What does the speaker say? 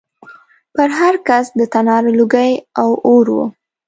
پر هر کڅ د تناره لوګی او اور و